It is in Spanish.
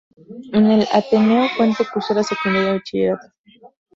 En el Ateneo Fuente cursó la secundaria y el bachillerato.